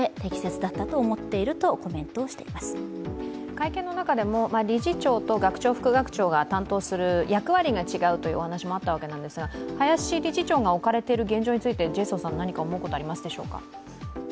会見の中でも理事長と学長、副学長が担当する役割が違うというお話もあったんでずか、林理事長が置かれている現状について何か思うことはありますか。